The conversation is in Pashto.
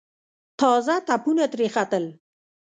تازه تپونه ترې ختل.